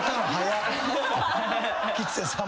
吉瀬さん。